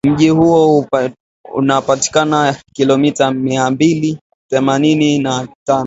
Mji huo unapatikana kilomita mia mbili themanini na tano